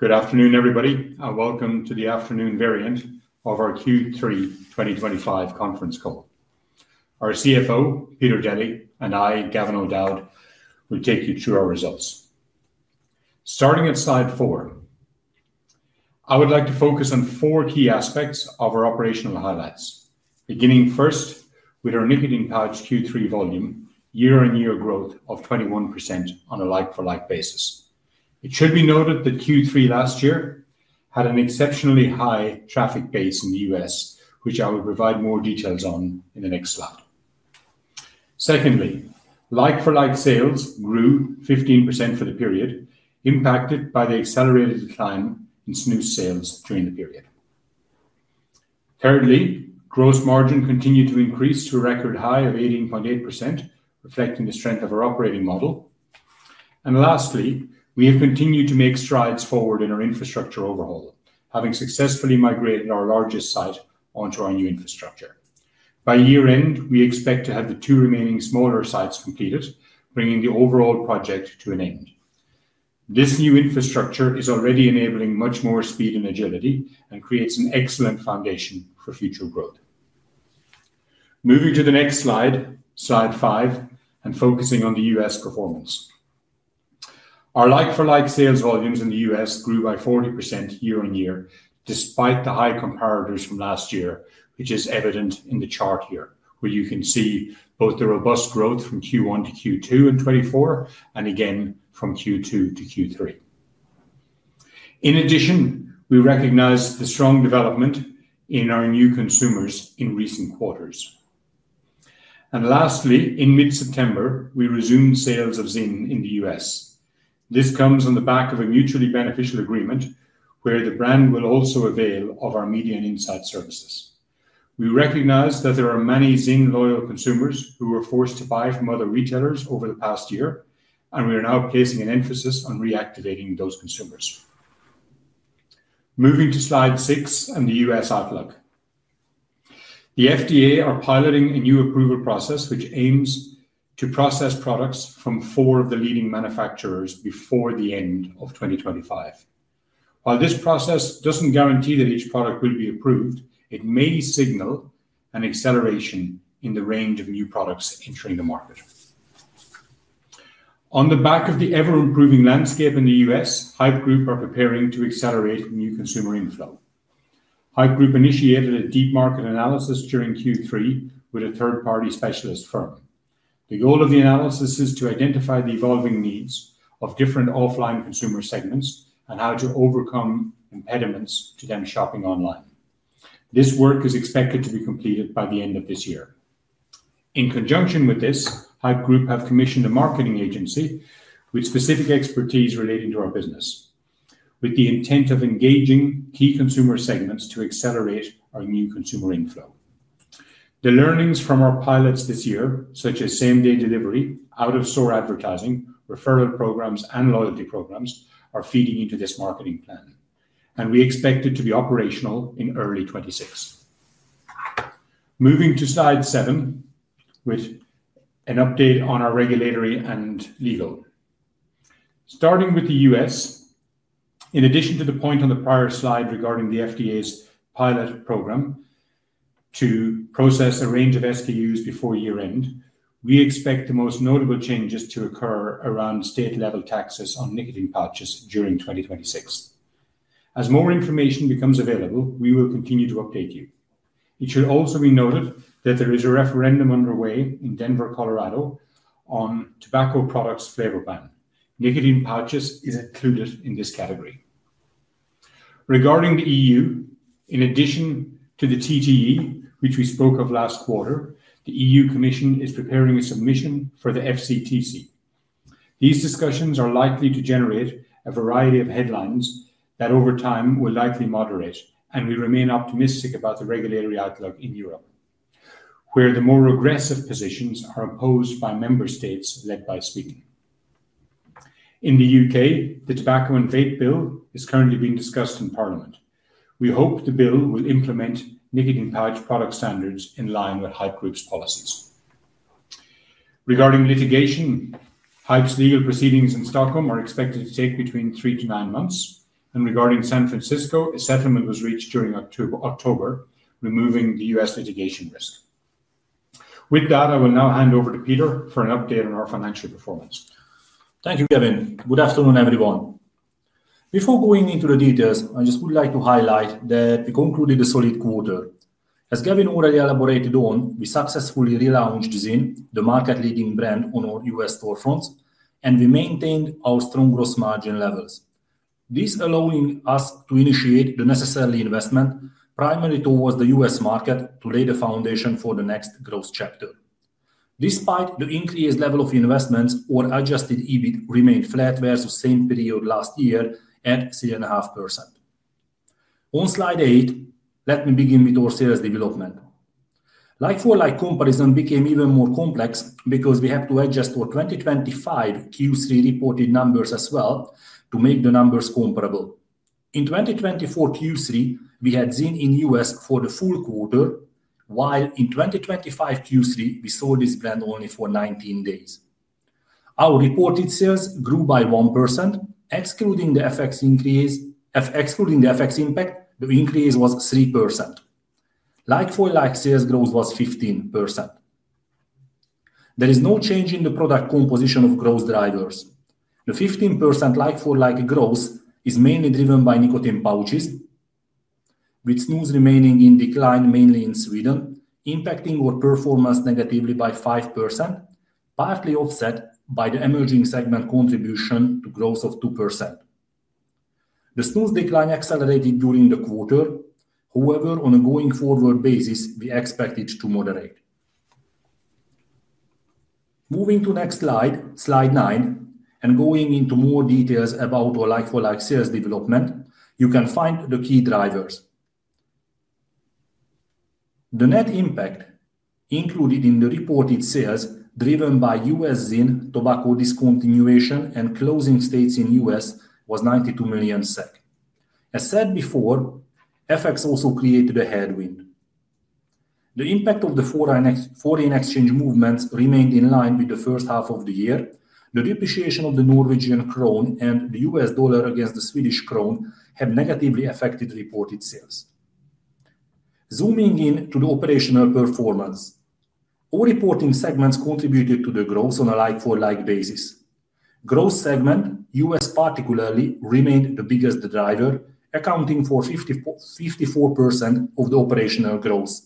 Good afternoon, everybody, and welcome to the afternoon variant of our Q3 2025 conference call. Our CFO, Peter Deli, and I, Gavin O'Dowd, will take you through our results. Starting at slide four, I would like to focus on four key aspects of our operational highlights, beginning first with our nicotine pouches Q3 volume, year-on-year growth of 21% on a like-for-like basis. It should be noted that Q3 last year had an exceptionally high traffic base in the U.S., which I will provide more details on in the next slide. Secondly, like-for-like sales grew 15% for the period, impacted by the accelerated decline in snus sales during the period. Thirdly, gross margin continued to increase to a record high of 18.8%, reflecting the strength of our operating model. Lastly, we have continued to make strides forward in our infrastructure overhaul, having successfully migrated our largest site onto our new infrastructure. By year-end, we expect to have the two remaining smaller sites completed, bringing the overall project to an end. This new infrastructure is already enabling much more speed and agility and creates an excellent foundation for future growth. Moving to the next slide, slide five, and focusing on the U.S. performance. Our like-for-like sales volumes in the U.S. grew by 40% year-on-year, despite the high comparators from last year, which is evident in the chart here, where you can see both the robust growth from Q1 to Q2 in 2024 and again from Q2 to Q3. In addition, we recognize the strong development in our new consumers in recent quarters. Lastly, in mid-September, we resumed sales of ZYN in the U.S. This comes on the back of a mutually beneficial agreement where the brand will also avail of our Media & Insights services. We recognize that there are many ZYN-loyal consumers who were forced to buy from other retailers over the past year, and we are now placing an emphasis on reactivating those consumers. Moving to slide six and the U.S. outlook. The FDA are piloting a new approval process which aims to process products from four of the leading manufacturers before the end of 2025. While this process doesn't guarantee that each product will be approved, it may signal an acceleration in the range of new products entering the market. On the back of the ever-improving landscape in the U.S., Haypp Group are preparing to accelerate new consumer inflow. Haypp Group initiated a deep market analysis during Q3 with a third-party specialist firm. The goal of the analysis is to identify the evolving needs of different offline consumer segments and how to overcome impediments to them shopping online. This work is expected to be completed by the end of this year. In conjunction with this, Haypp Group have commissioned a marketing agency with specific expertise relating to our business, with the intent of engaging key consumer segments to accelerate our new consumer inflow. The learnings from our pilots this year, such as same-day delivery, out-of-store advertising, referral programs, and loyalty programs, are feeding into this marketing plan, and we expect it to be operational in early 2026. Moving to slide seven with an update on our regulatory and legal. Starting with the U.S., in addition to the point on the prior slide regarding the FDA's pilot program to process a range of SKUs before year-end, we expect the most notable changes to occur around state-level taxes on nicotine pouches during 2026. As more information becomes available, we will continue to update you. It should also be noted that there is a referendum underway in Denver, Colorado, on tobacco products flavor ban. Nicotine pouches is included in this category. Regarding the EU, in addition to the TTE, which we spoke of last quarter, the European Commission is preparing a submission for the FCTC. These discussions are likely to generate a variety of headlines that over time will likely moderate, and we remain optimistic about the regulatory outlook in Europe, where the more aggressive positions are imposed by member states led by Sweden. In the U.K., the Tobacco and Vapes Bill is currently being discussed in Parliament. We hope the bill will implement nicotine pouch product standards in line with Haypp Group's policies. Regarding litigation, Haypp's legal proceedings in Stockholm are expected to take between three to nine months, and regarding San Francisco, a settlement was reached during October, removing the U.S. litigation risk. With that, I will now hand over to Peter for an update on our financial performance. Thank you, Gavin. Good afternoon, everyone. Before going into the details, I just would like to highlight that we concluded a solid quarter. As Gavin already elaborated on, we successfully relaunched ZYN, the market-leading brand on our U.S. storefronts, and we maintained our strong gross margin levels. This allowed us to initiate the necessary investment primarily towards the U.S. market to lay the foundation for the next growth chapter. Despite the increased level of investments, our Adjusted EBIT remained flat versus the same period last year at 3.5%. On slide eight, let me begin with our sales development. Like-for-like comparison became even more complex because we had to adjust our 2025 Q3 reported numbers as well to make the numbers comparable. In 2024 Q3, we had ZYN in the U.S. for the full quarter, while in 2025 Q3, we sold this brand only for 19 days. Our reported sales grew by 1%. Excluding the FX impact, the increase was 3%. Like-for-like sales growth was 15%. There is no change in the product composition of growth drivers. The 15% like-for-like growth is mainly driven by nicotine pouches, with snus remaining in decline mainly in Sweden, impacting our performance negatively by 5%, partly offset by the emerging segment contribution to growth of 2%. The snus decline accelerated during the quarter. However, on a going-forward basis, we expect it to moderate. Moving to the next slide, slide nine, and going into more details about our like-for-like sales development, you can find the key drivers. The net impact included in the reported sales driven by U.S. ZYN, tobacco discontinuation, and closing states in the U.S. was 92 million SEK. As said before, FX also created a headwind. The impact of the foreign exchange movements remained in line with the first half of the year. The depreciation of the Norwegian krone and the US dollar against the Swedish krona have negatively affected reported sales. Zooming in to the operational performance, all reporting segments contributed to the growth on a like-for-like basis. Growth segment, US particularly, remained the biggest driver, accounting for 54% of the operational growth.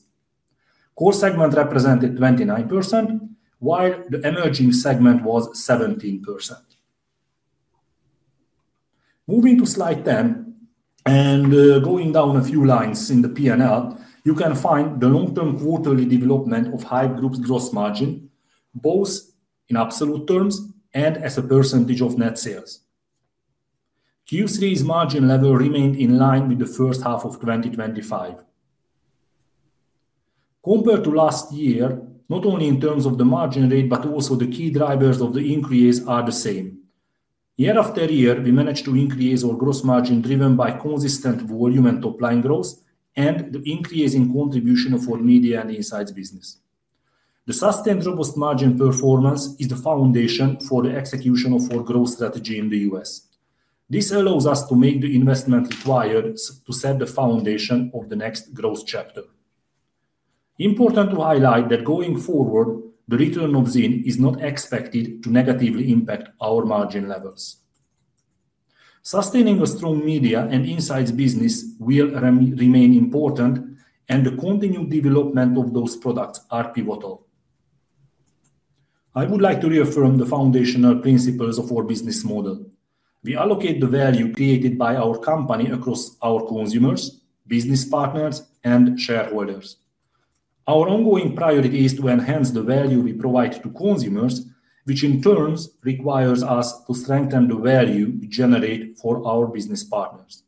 Core segment represented 29%, while the emerging segment was 17%. Moving to slide 10 and going down a few lines in the P&L, you can find the long-term quarterly development of Haypp Group's gross margin, both in absolute terms and as a percentage of net sales. Q3's margin level remained in line with the first half of 2025. Compared to last year, not only in terms of the margin rate, but also the key drivers of the increase are the same. Year after year, we managed to increase our gross margin driven by consistent volume and top-line growth and the increase in contribution of our Media & Insights business. The sustained robust margin performance is the foundation for the execution of our growth strategy in the U.S. This allows us to make the investment required to set the foundation of the next growth chapter. Important to highlight that going forward, the return of ZYN is not expected to negatively impact our margin levels. Sustaining a strong Media & Insights business will remain important, and the continued development of those products is pivotal. I would like to reaffirm the foundational principles of our business model. We allocate the value created by our company across our consumers, business partners, and shareholders. Our ongoing priority is to enhance the value we provide to consumers, which in turn requires us to strengthen the value we generate for our business partners.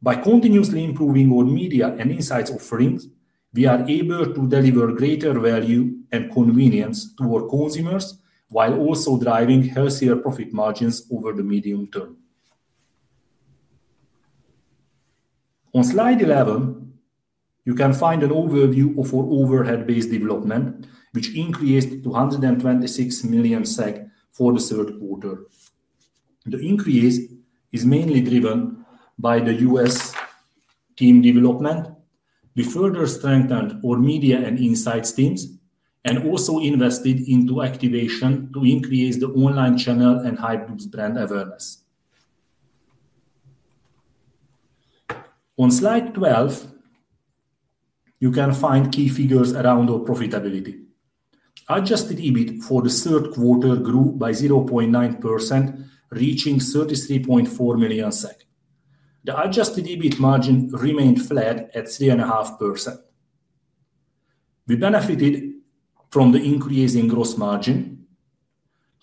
By continuously improving our Media & Insights offerings, we are able to deliver greater value and convenience to our consumers while also driving healthier profit margins over the medium term. On slide 11, you can find an overview of our overhead-based development, which increased to 126 million SEK for the third quarter. The increase is mainly driven by the U.S. team development. We further strengthened our Media & Insights teams and also invested into activation to increase the online channel and Haypp Group's brand awareness. On slide 12, you can find key figures around our profitability. Adjusted EBIT for the third quarter grew by 0.9%, reaching 33.4 million SEK. The adjusted EBIT margin remained flat at 3.5%. We benefited from the increase in gross margin.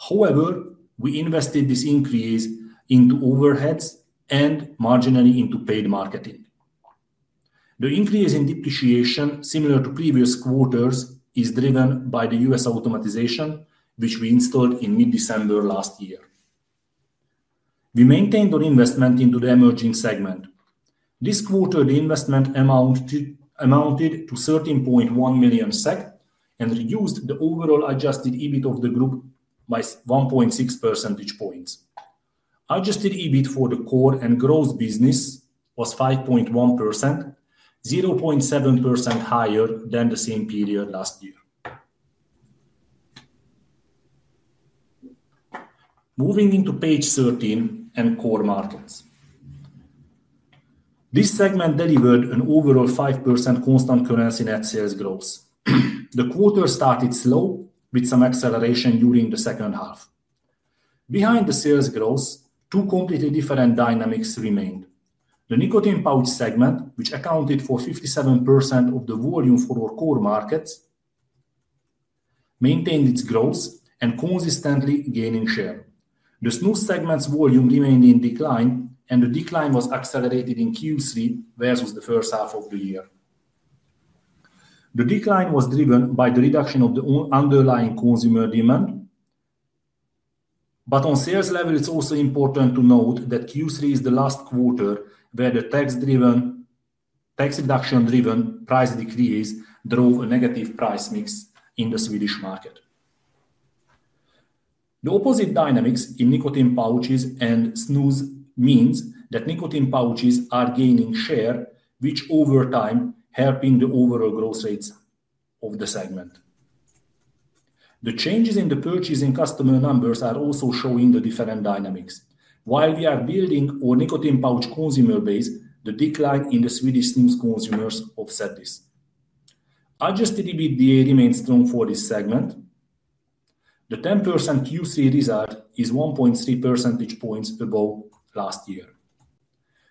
However, we invested this increase into overheads and marginally into paid marketing. The increase in depreciation, similar to previous quarters, is driven by the U.S. automation, which we installed in mid-December last year. We maintained our investment into the emerging segment. This quarter, the investment amounted to 13.1 million SEK and reduced the overall Adjusted EBIT of the group by 1.6 percentage points. Adjusted EBIT for the core and growth business was 5.1%, 0.7% higher than the same period last year. Moving into page 13 and core markets. This segment delivered an overall 5% constant currency net sales growth. The quarter started slow with some acceleration during the second half. Behind the sales growth, two completely different dynamics remained. The nicotine pouch segment, which accounted for 57% of the volume for our core markets, maintained its growth and consistently gaining share. The snus segment's volume remained in decline, and the decline was accelerated in Q3 versus the first half of the year. The decline was driven by the reduction of the underlying consumer demand, but on sales level, it's also important to note that Q3 is the last quarter where the tax reduction-driven price decrease drove a negative price mix in the Swedish market. The opposite dynamics in nicotine pouches and snus means that nicotine pouches are gaining share, which over time helping the overall growth rates of the segment. The changes in the purchasing customer numbers are also showing the different dynamics. While we are building our nicotine pouch consumer base, the decline in the Swedish snus consumers offset this. Adjusted EBIT remains strong for this segment. The 10% Q3 result is 1.3 percentage points above last year.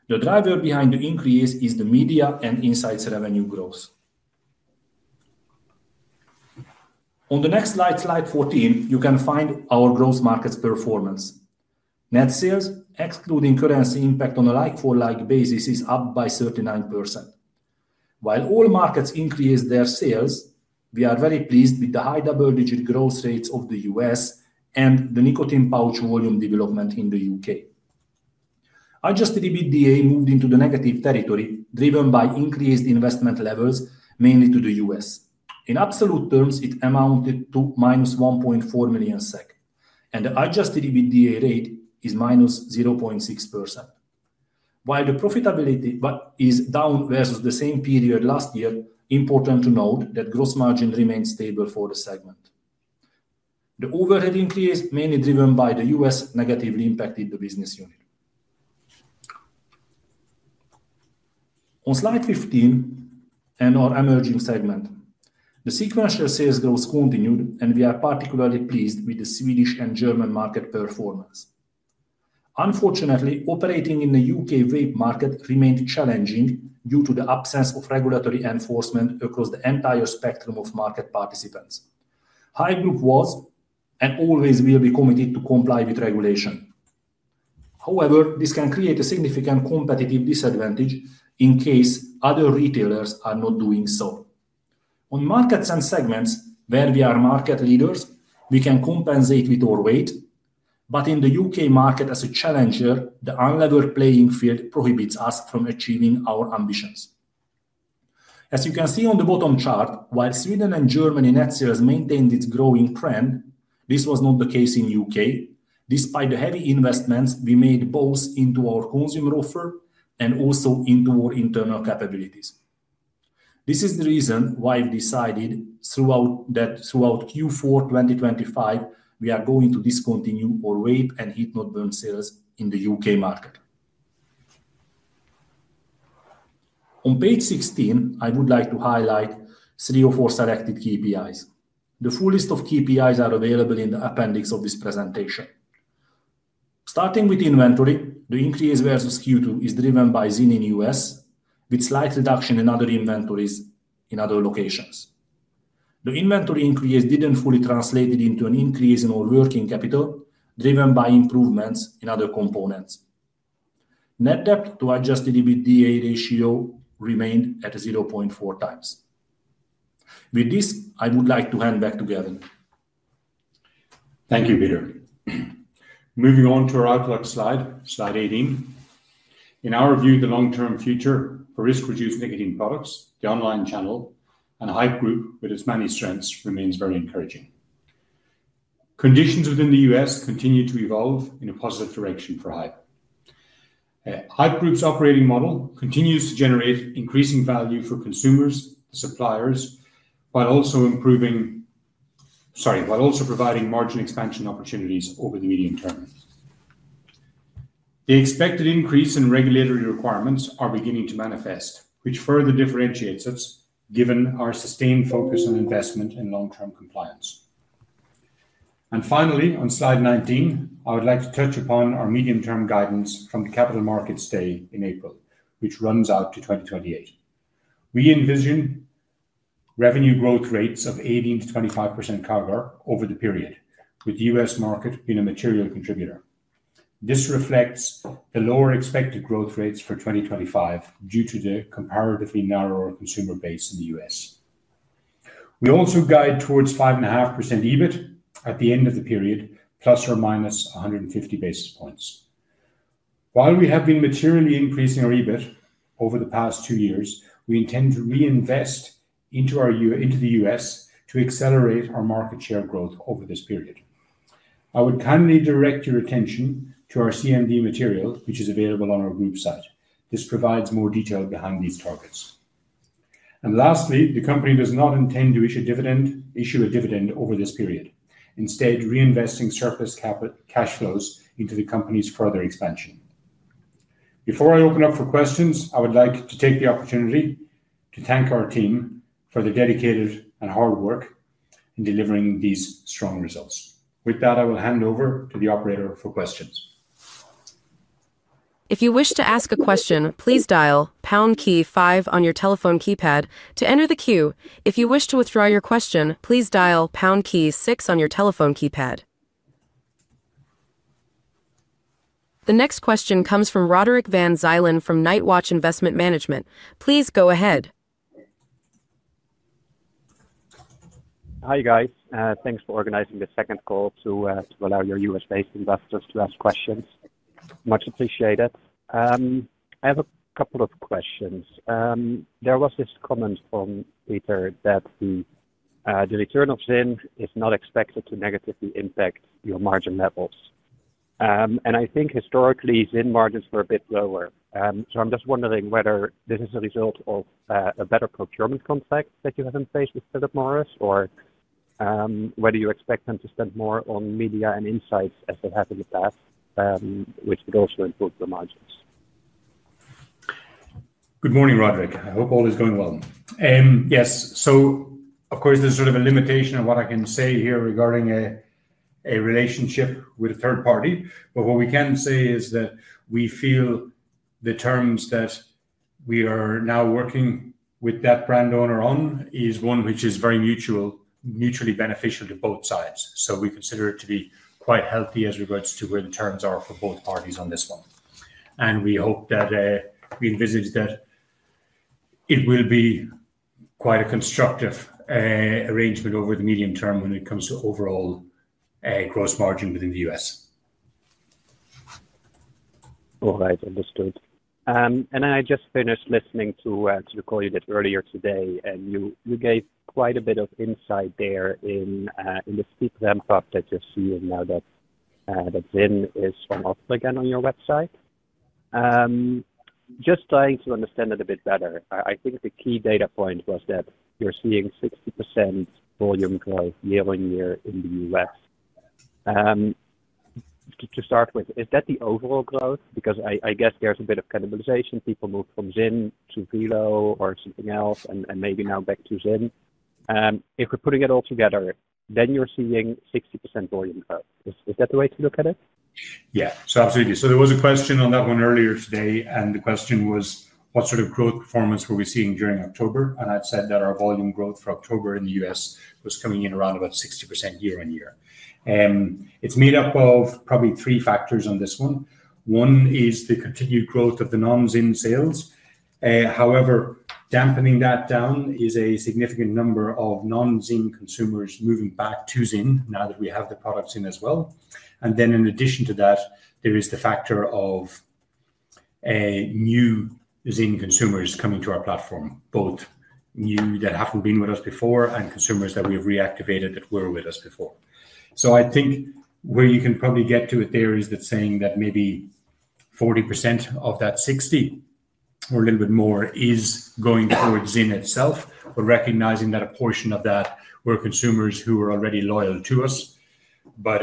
The driver behind the increase is the Media & Insights revenue growth. On the next slide, slide 14, you can find our growth market's performance. Net sales, excluding currency impact on a like-for-like basis, is up by 39%. While all markets increased their sales, we are very pleased with the high double-digit growth rates of the U.S. and the nicotine pouch volume development in the U.K. Adjusted EBIT moved into the negative territory, driven by increased investment levels, mainly to the U.S. In absolute terms, it amounted to minus 1.4 million SEK, and the adjusted EBIT rate is minus 0.6%. While the profitability is down versus the same period last year, important to note that gross margin remains stable for the segment. The overhead increase, mainly driven by the U.S., negatively impacted the business unit. On slide 15 and our emerging segment, the sequential sales growth continued, and we are particularly pleased with the Swedish and German market performance. Unfortunately, operating in the UK vape market remained challenging due to the absence of regulatory enforcement across the entire spectrum of market participants. Haypp Group was and always will be committed to comply with regulation. However, this can create a significant competitive disadvantage in case other retailers are not doing so. On markets and segments where we are market leaders, we can compensate with our weight, but in the UK market as a challenger, the uneven playing field prohibits us from achieving our ambitions. As you can see on the bottom chart, while Sweden and Germany net sales maintained its growing trend, this was not the case in the UK. Despite the heavy investments, we made both into our consumer offer and also into our internal capabilities. This is the reason why we decided throughout Q4 2025 we are going to discontinue our vape and heat-not-burn sales in the U.K. market. On page 16, I would like to highlight three or four selected KPIs. The full list of KPIs is available in the appendix of this presentation. Starting with inventory, the increase versus Q2 is driven by ZYN in the U.S., with slight reduction in other inventories in other locations. The inventory increase didn't fully translate into an increase in our working capital, driven by improvements in other components. Net debt to adjusted EBIT ratio remained at 0.4 times. With this, I would like to hand back to Gavin. Thank you, Peter. Moving on to our outlook slide, slide 18. In our view, the long-term future for risk-reduced nicotine products, the online channel, and Haypp Group, with its many strengths, remains very encouraging. Conditions within the U.S. continue to evolve in a positive direction for Haypp. Haypp Group's operating model continues to generate increasing value for consumers, the suppliers, while also providing margin expansion opportunities over the medium term. The expected increase in regulatory requirements is beginning to manifest, which further differentiates us given our sustained focus on investment and long-term compliance. Finally, on slide 19, I would like to touch upon our medium-term guidance from the Capital Markets Day in April, which runs out to 2028. We envision revenue growth rates of 18%-25% CAGR over the period, with the U.S. market being a material contributor. This reflects the lower expected growth rates for 2025 due to the comparatively narrower consumer base in the U.S. We also guide towards 5.5% EBIT at the end of the period, plus or minus 150 basis points. While we have been materially increasing our EBIT over the past two years, we intend to reinvest into the U.S. to accelerate our market share growth over this period. I would kindly direct your attention to our CMD material, which is available on our group site. This provides more detail behind these targets, and lastly, the company does not intend to issue a dividend over this period, instead reinvesting surplus cash flows into the company's further expansion. Before I open up for questions, I would like to take the opportunity to thank our team for the dedicated and hard work in delivering these strong results. With that, I will hand over to the operator for questions. If you wish to ask a question, please dial pound key five on your telephone keypad to enter the queue. If you wish to withdraw your question, please dial pound key six on your telephone keypad. The next question comes from Roderick van Zuylen from Night Watch Investment Management. Please go ahead. Hi guys. Thanks for organizing the second call to allow your U.S.-based investors to ask questions. Much appreciated. I have a couple of questions. There was this comment from Peter that the return of ZYN is not expected to negatively impact your margin levels, and I think historically, ZYN margins were a bit lower, so I'm just wondering whether this is a result of a better procurement contract that you have in place with Philip Morris, or whether you expect them to spend more on Media & Insights as they have in the past, which would also improve the margins. Good morning, Roderick. I hope all is going well. Yes. So of course, there's sort of a limitation of what I can say here regarding a relationship with a third party. But what we can say is that we feel the terms that we are now working with that brand owner on is one which is very mutually beneficial to both sides. So we consider it to be quite healthy as regards to where the terms are for both parties on this one. And we hope that we envisage that it will be quite a constructive arrangement over the medium term when it comes to overall gross margin within the U.S. All right. Understood. And then I just finished listening to the call you did earlier today, and you gave quite a bit of insight there in the steep ramp-up that you're seeing now that ZYN is swung off again on your website. Just trying to understand it a bit better, I think the key data point was that you're seeing 60% volume growth year on year in the US. To start with, is that the overall growth? Because I guess there's a bit of cannibalization. People moved from ZYN to VELO or something else, and maybe now back to ZYN. If we're putting it all together, then you're seeing 60% volume growth. Is that the way to look at it? Yeah. So absolutely. So there was a question on that one earlier today, and the question was, what sort of growth performance were we seeing during October? And I'd said that our volume growth for October in the U.S. was coming in around about 60% year on year. It's made up of probably three factors on this one. One is the continued growth of the non-ZYN sales. However, dampening that down is a significant number of non-ZYN consumers moving back to ZYN now that we have the products in as well. And then in addition to that, there is the factor of new ZYN consumers coming to our platform, both new that haven't been with us before and consumers that we have reactivated that were with us before. So I think where you can probably get to it there is that saying that maybe 40% of that 60 or a little bit more is going towards ZYN itself, but recognizing that a portion of that were consumers who were already loyal to us, but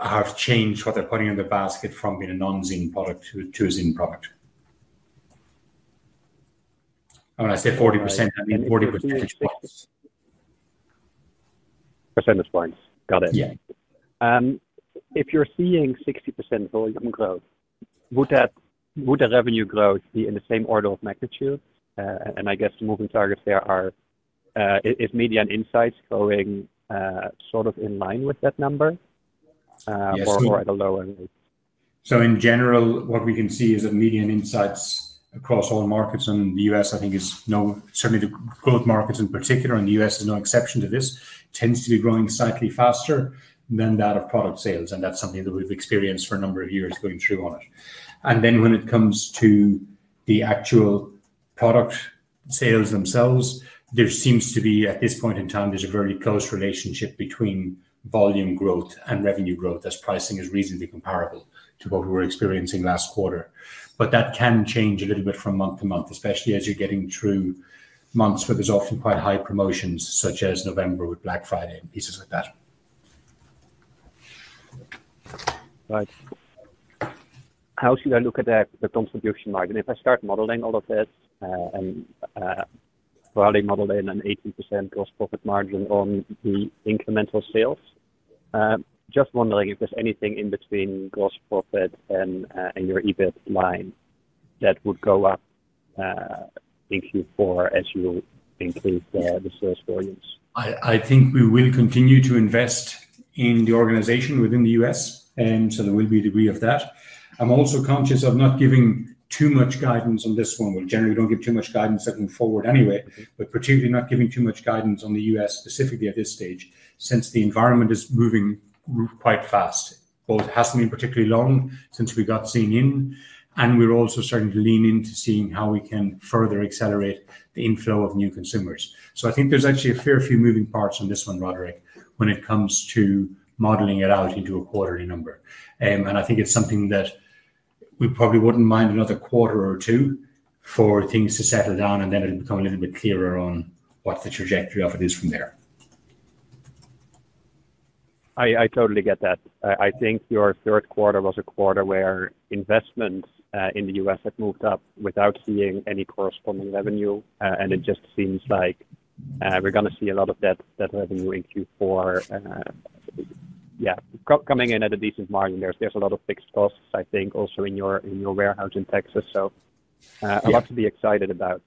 have changed what they're putting in the basket from being a non-ZYN product to a ZYN product. And when I say 40%, I mean 40%. Percentage points. Got it. Yeah. If you're seeing 60% volume growth, would the revenue growth be in the same order of magnitude? And I guess the moving targets there are Media & Insights going sort of in line with that number or at a lower rate? In general, what we can see is that Media & Insights across all markets in the U.S., I think, is certainly the growth markets in particular, and the U.S. is no exception to this, tends to be growing slightly faster than that of product sales. And that's something that we've experienced for a number of years going through on it. And then when it comes to the actual product sales themselves, there seems to be, at this point in time, there's a very close relationship between volume growth and revenue growth as pricing is reasonably comparable to what we were experiencing last quarter. But that can change a little bit from month to month, especially as you're getting through months where there's often quite high promotions, such as November with Black Friday and pieces like that. Right. How should I look at the contribution margin? If I start modeling all of this and probably modeling an 18% gross profit margin on the incremental sales, just wondering if there's anything in between gross profit and your EBIT line that would go up in Q4 as you increase the sales volumes. I think we will continue to invest in the organization within the U.S., and so there will be a degree of that. I'm also conscious of not giving too much guidance on this one. We generally don't give too much guidance looking forward anyway, but particularly not giving too much guidance on the U.S. specifically at this stage since the environment is moving quite fast. It hasn't been particularly long since we got ZYN in, and we're also starting to lean into seeing how we can further accelerate the inflow of new consumers. So I think there's actually a fair few moving parts on this one, Roderick, when it comes to modeling it out into a quarterly number. I think it's something that we probably wouldn't mind another quarter or two for things to settle down, and then it'll become a little bit clearer on what the trajectory of it is from there. I totally get that. I think your third quarter was a quarter where investments in the U.S. had moved up without seeing any corresponding revenue, and it just seems like we're going to see a lot of that revenue in Q4, yeah, coming in at a decent margin. There's a lot of fixed costs, I think, also in your warehouse in Texas. So a lot to be excited about.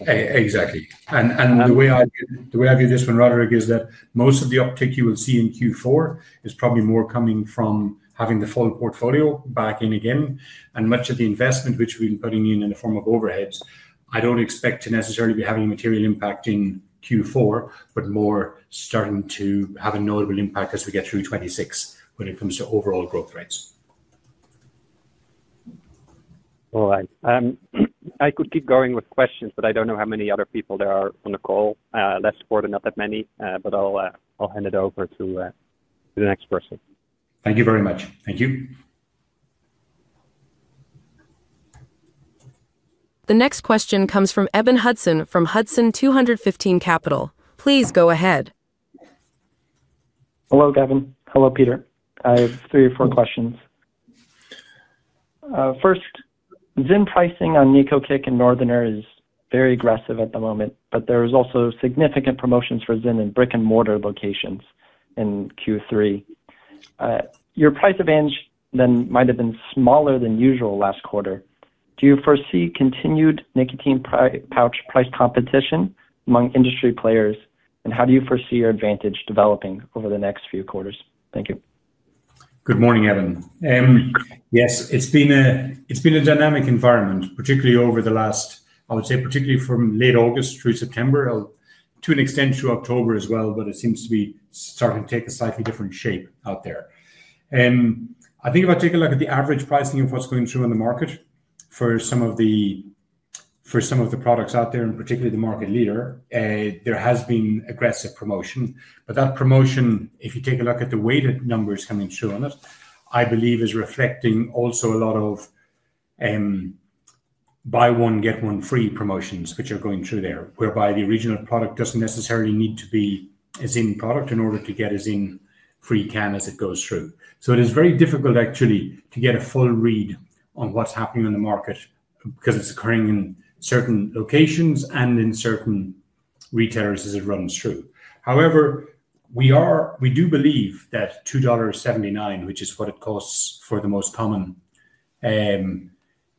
Exactly. And the way I view this one, Roderick, is that most of the uptick you will see in Q4 is probably more coming from having the full portfolio back in again. And much of the investment which we've been putting in in the form of overheads, I don't expect to necessarily be having a material impact in Q4, but more starting to have a notable impact as we get through 2026 when it comes to overall growth rates. All right. I could keep going with questions, but I don't know how many other people there are on the call. Less than four, not that many, but I'll hand it over to the next person. Thank you very much. Thank you. The next question comes from Eben Hudson from Hudson 215 Capital. Please go ahead. Hello, Gavin. Hello, Peter. I have three or four questions. First, ZYN pricing on Nicokick and Northerner is very aggressive at the moment, but there are also significant promotions for ZYN in brick-and-mortar locations in Q3. Your price advantage then might have been smaller than usual last quarter. Do you foresee continued nicotine pouch price competition among industry players, and how do you foresee your advantage developing over the next few quarters? Thank you. Good morning, Eben. Yes, it's been a dynamic environment, particularly over the last, I would say, particularly from late August through September, to an extent through October as well, but it seems to be starting to take a slightly different shape out there. I think if I take a look at the average pricing of what's going through on the market for some of the products out there, and particularly the market leader, there has been aggressive promotion. But that promotion, if you take a look at the weighted numbers coming through on it, I believe is reflecting also a lot of buy one, get one free promotions which are going through there, whereby the original product doesn't necessarily need to be a ZYN product in order to get a ZYN free can as it goes through. So it is very difficult, actually, to get a full read on what's happening in the market because it's occurring in certain locations and in certain retailers as it runs through. However, we do believe that $2.79, which is what it costs for the most common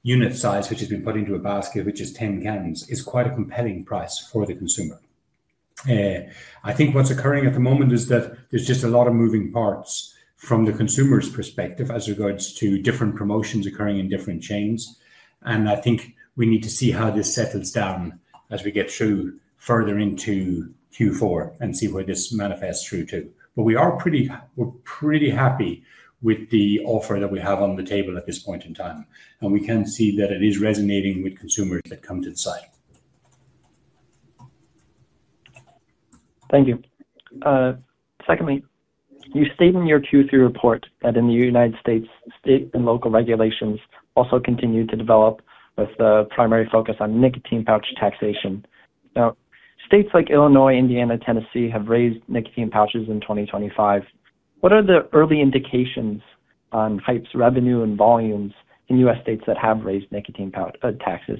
unit size, which has been put into a basket, which is 10 cans, is quite a compelling price for the consumer. I think what's occurring at the moment is that there's just a lot of moving parts from the consumer's perspective as regards to different promotions occurring in different chains, and I think we need to see how this settles down as we get through further into Q4 and see where this manifests through to. But we are pretty happy with the offer that we have on the table at this point in time, and we can see that it is resonating with consumers that come to the site. Thank you. Secondly, you stated in your Q3 report that in the United States, state and local regulations also continue to develop with the primary focus on nicotine pouch taxation. Now, states like Illinois, Indiana, Tennessee have raised nicotine pouches in 2025. What are the early indications on Haypp's revenue and volumes in U.S. states that have raised nicotine taxes?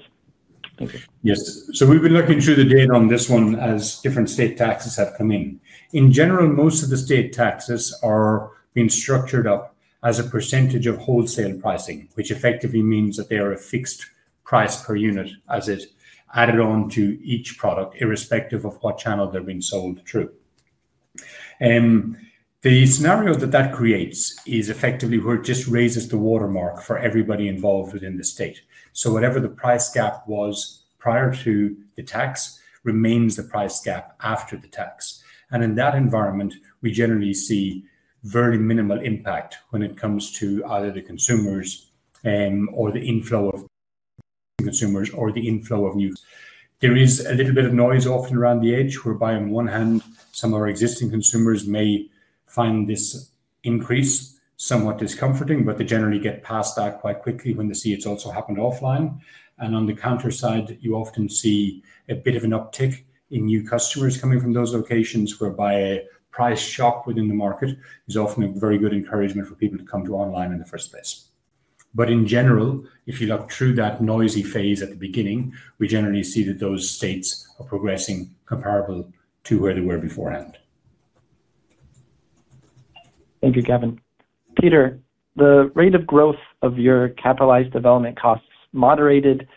Thank you. Yes. So we've been looking through the data on this one as different state taxes have come in. In general, most of the state taxes are being structured up as a percentage of wholesale pricing, which effectively means that they are a fixed price per unit as it's added on to each product, irrespective of what channel they're being sold through. The scenario that that creates is effectively where it just raises the watermark for everybody involved within the state. So whatever the price gap was prior to the tax remains the price gap after the tax. And in that environment, we generally see very minimal impact when it comes to either the consumers or the inflow of consumers or the inflow of new. There is a little bit of noise often around the edge, whereby on one hand, some of our existing consumers may find this increase somewhat discomforting, but they generally get past that quite quickly when they see it's also happened offline, and on the counter side, you often see a bit of an uptick in new customers coming from those locations, whereby a price shock within the market is often a very good encouragement for people to come to online in the first place, but in general, if you look through that noisy phase at the beginning, we generally see that those states are progressing comparable to where they were beforehand. Thank you, Gavin. Peter, the rate of growth of your capitalized development costs moderated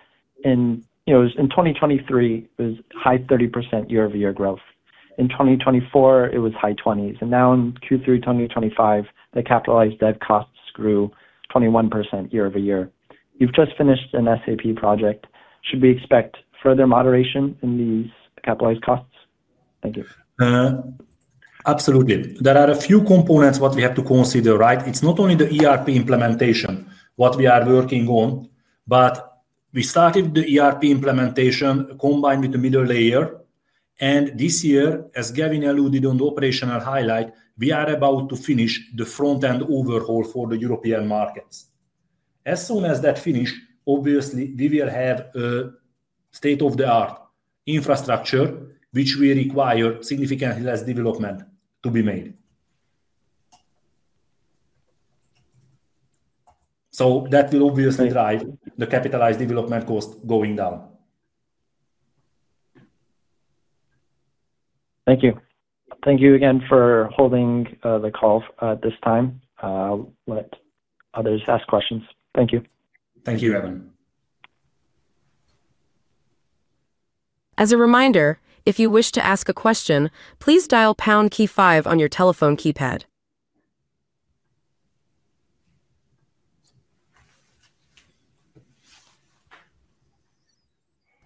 in 2023 was high 30% year-over-year growth. In 2024, it was high 20s%. And now in Q3 2025, the capitalized development costs grew 21% year-over-year. You've just finished an SAP project. Should we expect further moderation in these capitalized costs? Thank you. Absolutely. There are a few components that we have to consider, right? It's not only the ERP implementation that we are working on, but we started the ERP implementation combined with the middle layer, and this year, as Gavin alluded to the operational highlight, we are about to finish the front-end overhaul for the European markets. As soon as that finishes, obviously, we will have a state-of-the-art infrastructure which will require significantly less development to be made. So that will obviously drive the capitalized development cost going down. Thank you. Thank you again for holding the call at this time. I'll let others ask questions. Thank you. Thank you, Eben. As a reminder, if you wish to ask a question, please dial pound key five on your telephone keypad.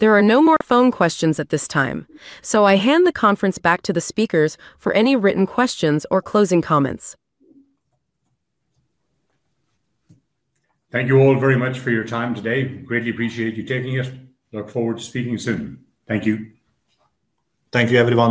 There are no more phone questions at this time, so I hand the conference back to the speakers for any written questions or closing comments. Thank you all very much for your time today. Greatly appreciate you taking it. Look forward to speaking soon. Thank you. Thank you, everyone.